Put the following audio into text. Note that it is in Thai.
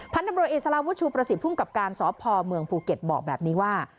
พันธุ์ดำรวจอิสระวุชุประสิทธิ์ภูมิกับการสภเมืองภูเก็ตบอกแบบนี้ว่า